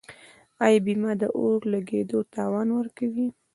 آیا بیمه د اور لګیدو تاوان ورکوي؟